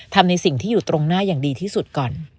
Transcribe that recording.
ทำในสิ่งที่อยู่ตรงหน้าอย่างดีที่สุดก่อน